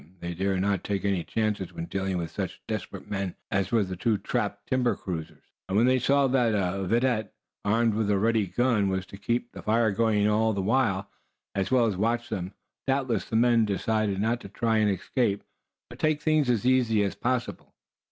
They dared not take any chances when dealing with such desperate men as were the two trapped timber cruisers. And when they saw that a vidette, armed with a ready gun, was to keep the fire going all the while, as well as watch them, doubtless the men decided not to try and escape, but take things as easy as possible.